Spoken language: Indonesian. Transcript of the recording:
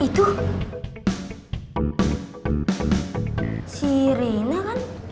eh itu si reina kan